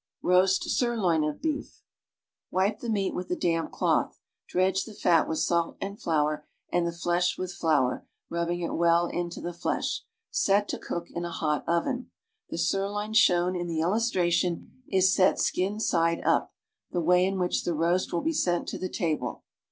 ROAST SIRLOIN OF BEEF Wipe the meat with a daTup cloth. Dredge the fat with salt and flour, and the liesh with Hour, rubbing it well into the tlesh. Setto cook in a hot oven. The sirloin shown in the illustration is set skin side up, the way in which the roast will be sent to the table.